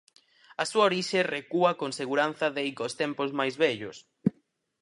A súa orixe recúa con seguranza deica os tempos mais vellos.